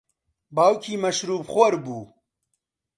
باوکی مەشروبخۆر بوو.